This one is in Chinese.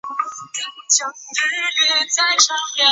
其中似乎确凿只有一些野草